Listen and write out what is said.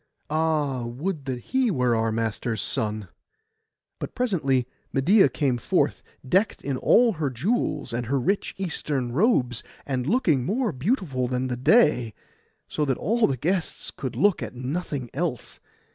Ah, would that he were our master's son!' But presently Medeia came forth, decked in all her jewels, and her rich Eastern robes, and looking more beautiful than the day, so that all the guests could look at nothing else.